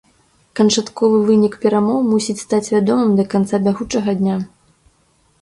Канчатковы вынік перамоў мусіць стаць вядомы да канца бягучага дня.